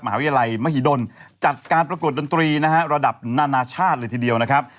มหาวิทยาลัยมหิดลจัดการประกวดดนตรีนะฮะระดับนานาชาติเลยทีเดียวนะครับ